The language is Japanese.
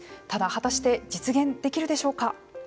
ただ、果たして実現できるでしょうか。